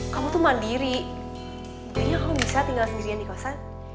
kamu tuh mandiri kayaknya kamu bisa tinggal sendirian di kota